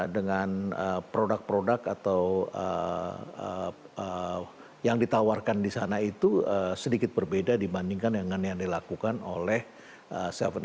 dengan produk produk atau yang ditawarkan di sana itu sedikit berbeda dibandingkan dengan yang dilakukan oleh tujuh